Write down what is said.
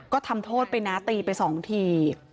ก็ทำโทษไปนะตีไป๒ที